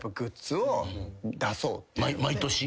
毎年？